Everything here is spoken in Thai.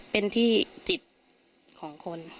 เป็นที่จิตของคน